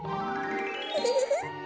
ウフフフ。